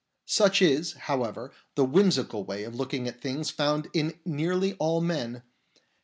Such is, however, the whim sical way of looking at things found in nearly all men.